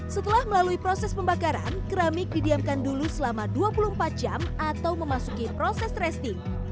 setelah melalui proses pembakaran keramik didiamkan dulu selama dua puluh empat jam atau memasuki proses tracing